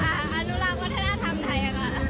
อ่าอนุราควัฒนธรรมไทยครับ